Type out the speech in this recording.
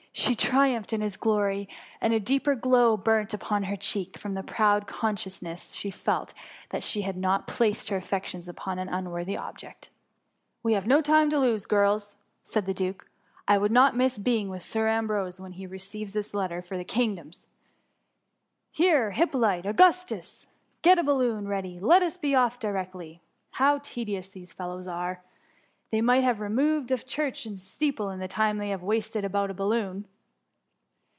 She triumphed in his glory; and a deeper glow burnt upon her cheek, from the proud consciousness she felt that she had not placed her affections up<ni an unworthy object. We have no time to lose, girls," said the duke. I would not miss being with Sir Am brose when he receives his letter, for kingdoms. Here, Hyppolite ! Augustus ! get a balloon ready, and let us be off directly. How tedious these feUows are ! They might have removed ^ church steeple in the time they have wasted about that balloon.